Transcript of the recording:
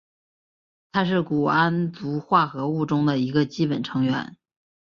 它是钴胺族化合物中的一个基本成员。